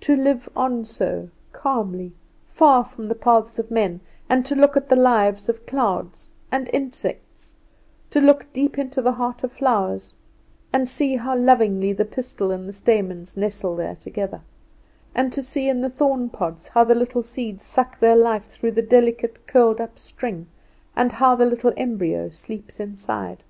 To live on so, calmly, far from the paths of men; and to look at the lives of clouds and insects; to look deep into the heart of flowers, and see how lovingly the pistil and the stamens nestle there together; and to see in the thorn pods how the little seeds suck their life through the delicate curled up string, and how the little embryo sleeps inside!